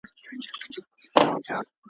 موضوع هم بې ضرورته نه اوږدوي